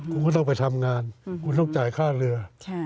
คุณก็ต้องไปทำงานคุณต้องจ่ายค่าเรือ